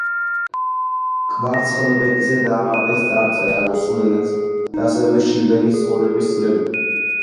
კვარცხლბეკზე დაამატეს წარწერა რუსულ ენაზე და ასევე შილერის ცხოვრების წლები.